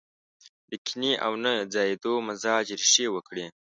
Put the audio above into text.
د کينې او نه ځايېدو مزاج ريښې وکړي.